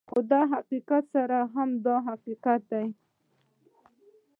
خو دې حقیقت سره دا هم حقیقت دی